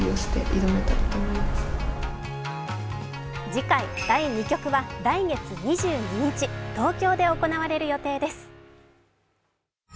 次回第二局は来月２２日東京で行われる予定です。